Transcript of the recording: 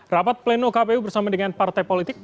rapat pleno kpu bersama dengan partai politik